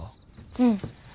うん。